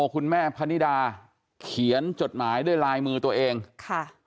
คุณแม่พนิดาเขียนจดหมายด้วยลายมือตัวเองค่ะ